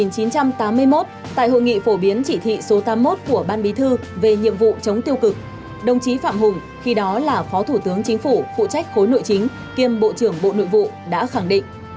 năm một nghìn chín trăm tám mươi một tại hội nghị phổ biến chỉ thị số tám mươi một của ban bí thư về nhiệm vụ chống tiêu cực đồng chí phạm hùng khi đó là phó thủ tướng chính phủ phụ trách khối nội chính kiêm bộ trưởng bộ nội vụ đã khẳng định